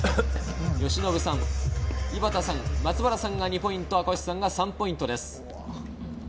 由伸さん、井端さん、松原さんが２ポイント、赤星さんが３ポイントです。